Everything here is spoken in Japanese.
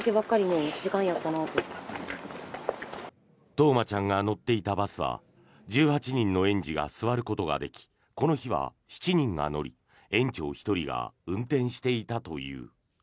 冬生ちゃんが乗っていたバスは１８人の園児が座ることができこの日は７人が乗り園長１人が運転していたという。